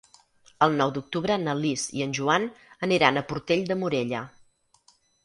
El nou d'octubre na Lis i en Joan aniran a Portell de Morella.